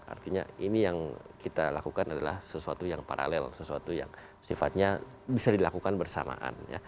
artinya ini yang kita lakukan adalah sesuatu yang paralel sesuatu yang sifatnya bisa dilakukan bersamaan